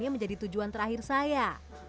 menjadi tujuan terakhir saya